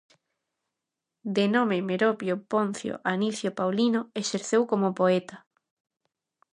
De nome Meropio Poncio Anicio Paulino, exerceu como poeta.